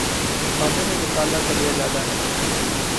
کھانے میں مصالحہ قدرے زیادہ ہے